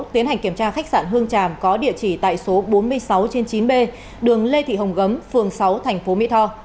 tiến hành kiểm tra khách sạn hương tràm có địa chỉ tại số bốn mươi sáu trên chín b đường lê thị hồng gấm phường sáu tp mỹ tho